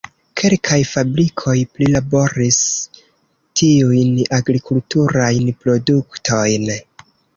Kelkaj fabrikoj prilaboris tiujn agrikulturajn produktojn.